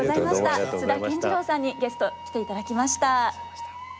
津田健次郎さんにゲスト来ていただきました。